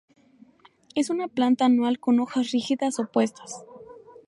Es una planta anual con hojas rígidas opuestas.